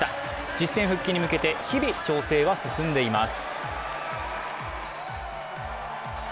実戦復帰に向けて日々調整は進んでいます。